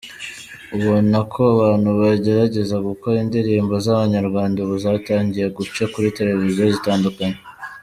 "Ubona ko abantu bagerageza gukora, indirimbo z’Abanyarwanda ubu zatangiye guca kuri televiziyo zitandukanye.